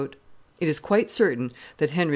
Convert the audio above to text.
It is quite certain that Henry IV.